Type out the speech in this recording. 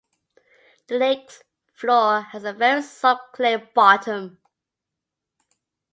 The lake's floor has a very soft clay bottom.